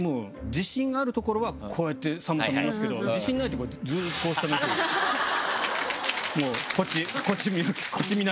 自信があるところはこうやってさんまさん見ますけど自信ないとこはずっとこう下向いてもうこっち見ないでっていう。